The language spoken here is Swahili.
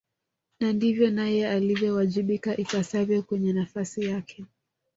na ndivyo naye anavyowajibika ipasavyo kwenye nafasi yake